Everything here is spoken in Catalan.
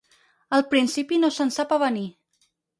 Al principi no se'n sap avenir.